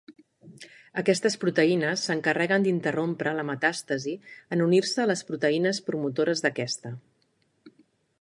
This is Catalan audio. Aquestes proteïnes s'encarreguen d'interrompre la metàstasi en unir-se a les proteïnes promotores d'aquesta.